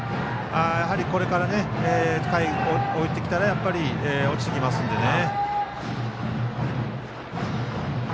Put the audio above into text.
やはりこれから回を追ってきたら落ちてきますのでね。